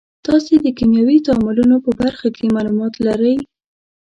تاسې د کیمیاوي تعاملونو په برخه کې معلومات لرئ.